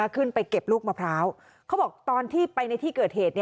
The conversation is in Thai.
ขึ้นไปเก็บลูกมะพร้าวเขาบอกตอนที่ไปในที่เกิดเหตุ